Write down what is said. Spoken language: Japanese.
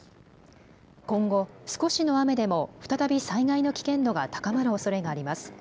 今後、少しの雨でも再び災害の危険度が高まるおそれがあります。